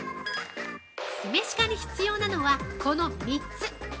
◆酢飯化に必要なのはこの３つ。